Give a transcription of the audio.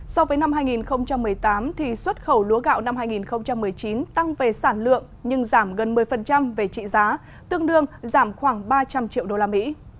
so với năm hai nghìn một mươi tám xuất khẩu lúa gạo năm hai nghìn một mươi chín tăng về sản lượng nhưng giảm gần một mươi về trị giá tương đương giảm khoảng ba trăm linh triệu đô la mỹ